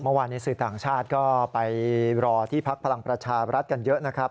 เมื่อวานในสื่อต่างชาติก็ไปรอที่พักพลังประชารัฐกันเยอะนะครับ